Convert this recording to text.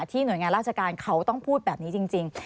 หน่วยงานราชการเขาต้องพูดแบบนี้จริง